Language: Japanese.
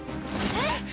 えっ！？